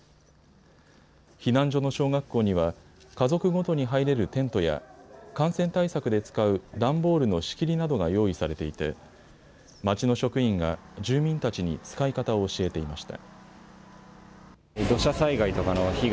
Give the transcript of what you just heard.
避難所の小学校には家族ごとに入れるテントや感染対策で使う段ボールの仕切りなどが用意されていて町の職員が住民たちに使い方を教えていました。